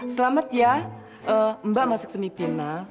selamat ya mbak masuk semifinal